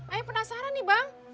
ayah penasaran nih bang